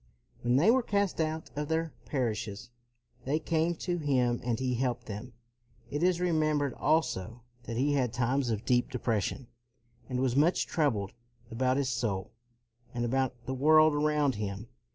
When they were cast out of their parishes, they came to him and he helped them. It is remembered also that he had times of deep depression, and was much troubled about his soul and about the world around him.